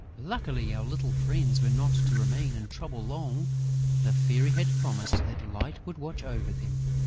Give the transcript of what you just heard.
Luckily, our little friends were not to remain in trouble long. The Fairy had promised that Light would watch over them.